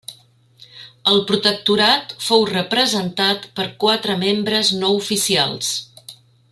El protectorat fou representat per quatre membres no oficials.